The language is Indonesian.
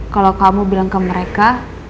kalau kamu bilang ke mereka